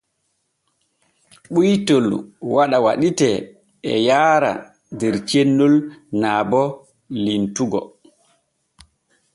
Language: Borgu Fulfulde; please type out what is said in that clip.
Ɓuytol waɗa waɗitee e yaara der cennol naa bo limtugo.